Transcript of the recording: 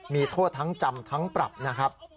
มีโทษทั้งจำทั้งปรับนะครับ